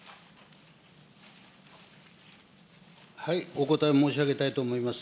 お答え申し上げたいと思います。